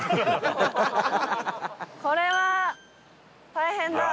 これは大変だ！